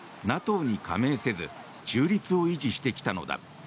ＮＡＴＯに加盟せず中立を維持してきたのだ。